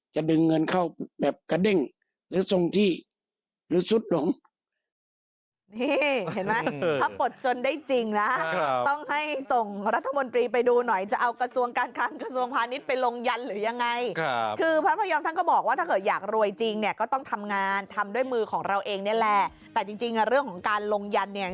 จะดึงเงินเข้าแบบกระเด้งหรือทรงที่หรือสุดลง